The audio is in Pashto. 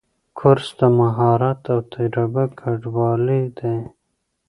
کورس د مهارت او تجربه ګډوالی دی.